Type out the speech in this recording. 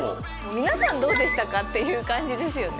皆さんどうでしたか？っていう感じですよね。